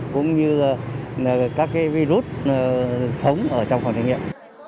cũng như các virus sống trong phòng thí nghiệm